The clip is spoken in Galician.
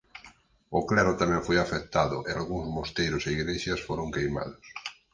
O clero tamén foi afectado e algúns mosteiros e igrexas foron queimados.